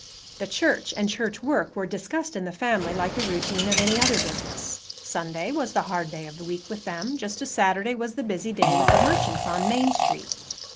The church and church work were discussed in the family like the routine of any other business. Sunday was the hard day of the week with them, just as Saturday was the busy day with the merchants on Main Street.